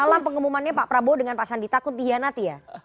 dalam pengumumannya pak prabowo dengan pak sandi takut dihianati ya